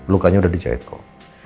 lukanya udah dijahit kok